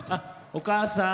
お母さん！